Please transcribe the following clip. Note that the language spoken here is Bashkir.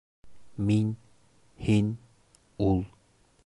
Мин, һин, ул